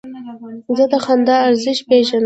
زه د خندا ارزښت پېژنم.